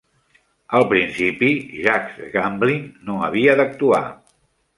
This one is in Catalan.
Al principi, Jacques Gamblin no havia d'actuar.